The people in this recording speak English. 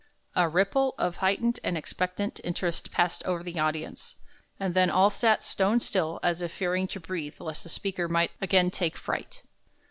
A ripple of heightened and expectant interest passed over the audience, and then all sat stone still as if fearing to breathe lest the speaker might again take fright.